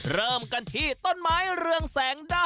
เริ่มกันที่ต้นไม้เรืองแสงด้า